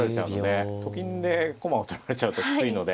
２０秒。と金で駒を取られちゃうときついので。